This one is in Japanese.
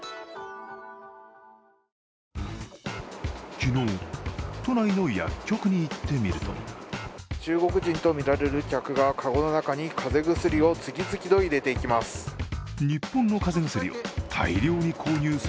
昨日、都内の薬局に行ってみると中国人とみられる客がかごの中に風邪薬を次々と入れていきます。